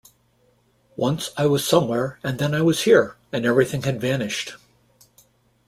Once I was somewhere and then I was here, and everything had vanished.